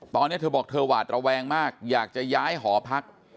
ตอนนี้เธอบอกเธอหวาดระแวงมากอยากจะย้ายหอพัก